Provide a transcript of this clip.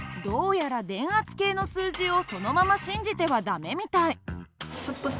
どうやら電圧計の数字をそのまま信じては駄目みたい。